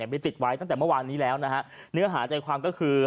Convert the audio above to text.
ไปติดไว้ตั้งแต่เมื่อวานนี้แล้วนะฮะเนื้อหาใจความก็คือ